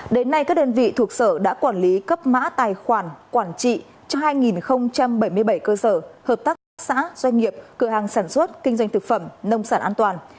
đến nay các đơn vị thuộc sở đã quản lý cấp mã tài khoản quản trị cho hai bảy mươi bảy cơ sở hợp tác xã doanh nghiệp cửa hàng sản xuất kinh doanh thực phẩm nông sản an toàn